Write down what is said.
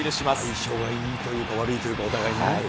相性がいいというか、悪いというか、お互いにね。